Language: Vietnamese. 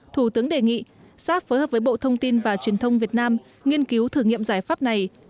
thủ tướng đề nghị sáp phối hợp với bộ thông tin và truyền thông việt nam nghiên cứu thử nghiệm giải pháp này